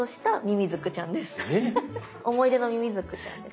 ⁉思い出のミミズクちゃんです。